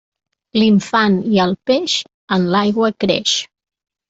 L'infant i el peix, en l'aigua creix.